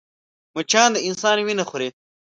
مچان د انسان وينه خوري